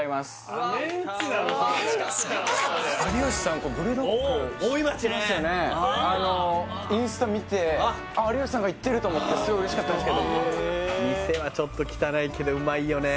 あのインスタ見てあっ有吉さんが行ってると思ってすごい嬉しかったんですけど店はちょっと汚いけどうまいよね